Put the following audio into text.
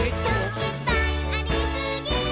「いっぱいありすぎー！！」